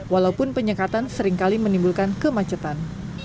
walaupun penyekatan seringkali menimbulkan kemacetan